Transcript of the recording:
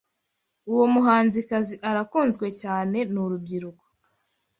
Uwo muhanzikazi arakunzwe cyane nurubyiruko.